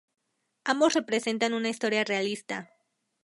Ambos representan una historia realista.